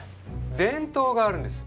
伝統があるんです。